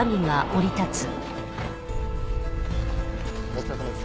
お疲れさまです。